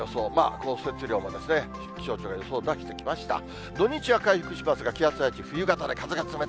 降雪量も気象庁が予報、出してきました。